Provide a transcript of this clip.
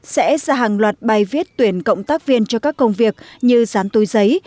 sẽ ra hàng loạt bài viết tuyển cộng tác viên cho các công việc như dán túi giấy